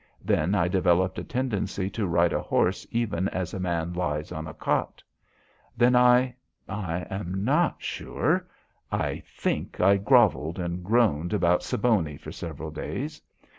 Then I developed a tendency to ride a horse even as a man lies on a cot. Then I I am not sure I think I grovelled and groaned about Siboney for several days.